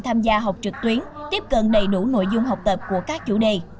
tham gia học trực tuyến tiếp cận đầy đủ nội dung học tập của các chủ đề